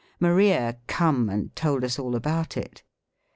" Maria come and told us all about it."